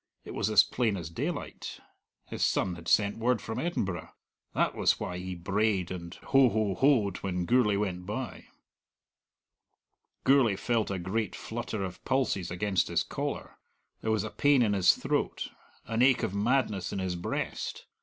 It was as plain as daylight: his son had sent word from Edinburgh. That was why he brayed and ho ho hoed when Gourlay went by. Gourlay felt a great flutter of pulses against his collar; there was a pain in his throat, an ache of madness in his breast.